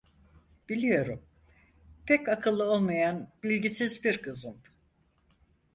Biliyorum: Pek akıllı olmayan bilgisiz bir kızım…